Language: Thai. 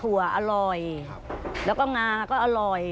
ถั่วอร่อยแล้วก็งาก็อร่อย